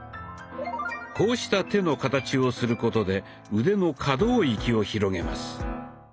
こうした手の形をすることで腕の可動域を広げます。